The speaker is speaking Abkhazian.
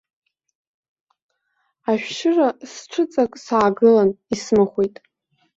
Ашәшьыра сҽыҵак саагылан, исмыхәеит.